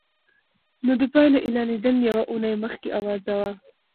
نو د پايلو اعلانېدل يوه اونۍ مخکې اوازه وه.